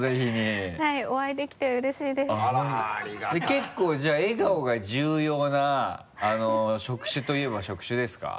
結構じゃあ笑顔が重要な職種といえば職種ですか？